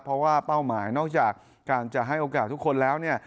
เพราะว่าเป้าหมายนอกจากการจะให้โอกาสทุกคนแล้วเนี่ย